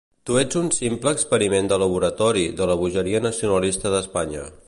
Tu ets un simple experiment de laboratori de la bogeria nacionalista d'Espanya.